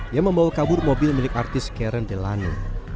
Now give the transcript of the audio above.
yang membawa kabur mobil milik artis karen delano